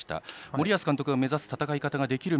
森保監督が目指す戦い方ができる